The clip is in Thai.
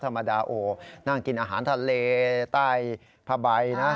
ธรรมดาโอ้นั่งกินอาหารทะเลใต้ผ้าใบนะ